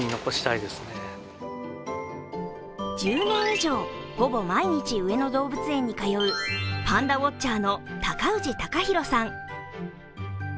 １０年以上、ほぼ毎日上野動物園に通う、パンダウオッチャーの高氏貴博さん。